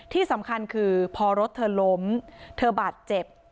ที่สำคัญคือพอรถเธอล้มเธอบาดเจ็บ